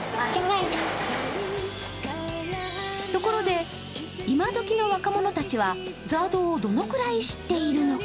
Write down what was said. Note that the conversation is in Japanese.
ところで、今どきの若者たちはＺＡＲＤをどのくらい知っているのか。